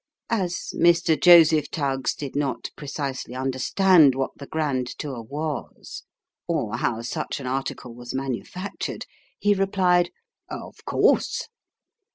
As Mr. Joseph Tuggs did not precisely understand what the grand tour was, or how such an article was manufactured, he replied, " Of course."